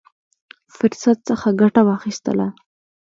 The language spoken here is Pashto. فرصت څخه ګټه واخیستله.